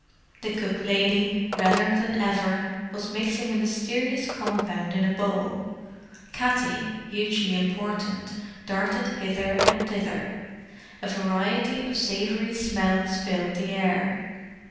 The cook lady, redder than ever, was mixing a mysterious compound in a bowl. Katty, hugely important, darted hither and thither. A variety of savoury smells filled the air.